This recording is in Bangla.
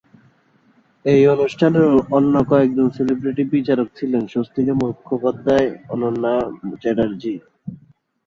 এই অনুষ্ঠানের অন্য কয়েকজন সেলিব্রিটি বিচারক ছিলেন স্বস্তিকা মুখোপাধ্যায়, অনন্যা চ্যাটার্জী।